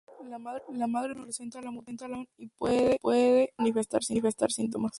La madre normalmente presenta la mutación y puede o no manifestar síntomas.